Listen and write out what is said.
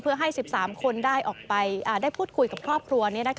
เพื่อให้๑๓คนได้พูดคุยกับครอบครัว